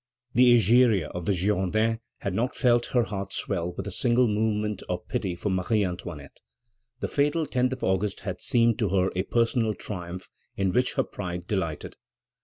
The Egeria of the Girondins had not felt her heart swell with a single movement of pity for Marie Antoinette. The fatal 10th of August had seemed to her a personal triumph in which her pride delighted.